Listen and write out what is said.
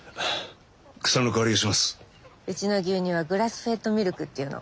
うちの牛乳はグラスフェッドミルクっていうの。